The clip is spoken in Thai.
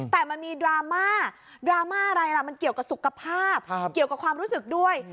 แต่มันมีดราม่าดราม่าอะไรล่ะมันเกี่ยวกับสุขภาพเกี่ยวกับความรู้สึกด้วย